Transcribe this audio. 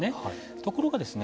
ところがですね